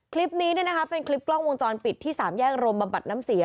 คลิปนี้เป็นคลิปกล้องวงจรปิดที่สามแยกรมบำบัดน้ำเสีย